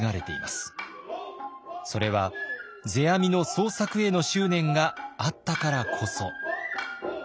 それは世阿弥の創作への執念があったからこそ。